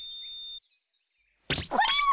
これは！